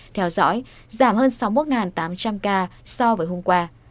theo dõi giảm hơn sáu mươi một tám trăm linh ca so với hôm qua